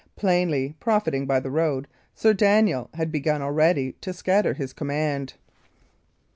Plainly, profiting by the road, Sir Daniel had begun already to scatter his command.